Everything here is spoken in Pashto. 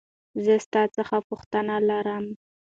زه ستا څخه پوښتنه لرمه .